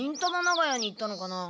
長屋に行ったのかな？